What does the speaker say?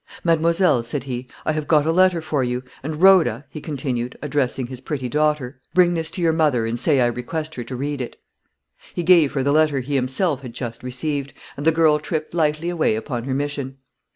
"Mademoiselle," said he, "I have got a letter for you; and, Rhoda," he continued, addressing his pretty daughter, "bring this to your mother, and say, I request her to read it." He gave her the letter he himself had just received, and the girl tripped lightly away upon her mission.